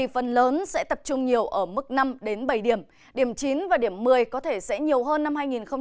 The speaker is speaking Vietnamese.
phần lớn sẽ tập trung nhiều ở mức năm bảy điểm điểm chín và điểm một mươi có thể sẽ nhiều hơn năm hai nghìn hai mươi